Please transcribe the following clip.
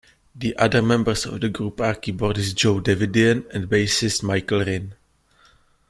The other members of the group are keyboardist Joe Davidian and bassist Michael Rinne.